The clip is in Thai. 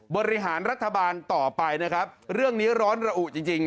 บริหารรัฐบาลต่อไปนะครับเรื่องนี้ร้อนระอุจริงจริง